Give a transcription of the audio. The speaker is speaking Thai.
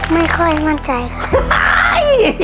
ไม่ค่อยมั่นใจค่ะ